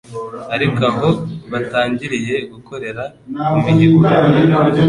ariko aho batangiriye gukorera ku mihigo,